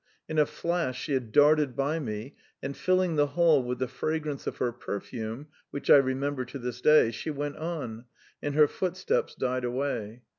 In a flash she had darted by me, and, filling the hall with the fragrance of her perfume, which I remember to this day, she went on, and her footsteps died away.